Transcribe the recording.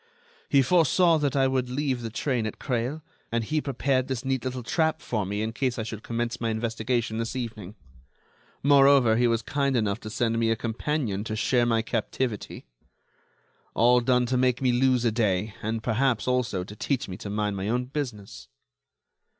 He foresaw that I would leave the train at Creil, and he prepared this neat little trap for me in case I should commence my investigation this evening. Moreover, he was kind enough to send me a companion to share my captivity. All done to make me lose a day, and, perhaps, also, to teach me to mind my own business."